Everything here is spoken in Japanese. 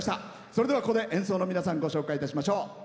それでは、ここで演奏の皆さんご紹介いたしましょう。